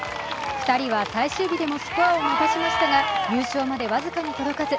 ２人は最終日でもスコアを伸ばしましたが、優勝まで僅かに届かず。